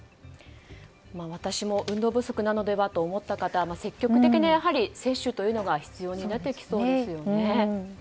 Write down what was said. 私も運動不足なのではと思った方は積極的な接種が必要となってきそうですね。